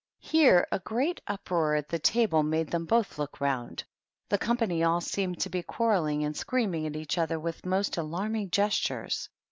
Here a great uproar at the table made them both look round. The company all seemed to be quarrelling, and screamed at each other with most alarming gestures.